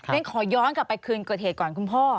ฉันขอย้อนกลับไปคืนเกิดเหตุก่อนคุณพ่อ